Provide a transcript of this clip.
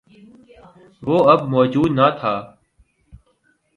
وہ اب موجود نہ تھا۔